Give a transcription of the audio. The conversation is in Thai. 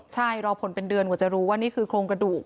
ใช่รอผลเป็นเดือนกว่าจะรู้ว่านี่คือโครงกระดูก